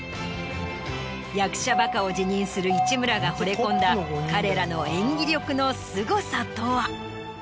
役者バカを自認する市村が惚れ込んだ彼らの演技力のすごさとは？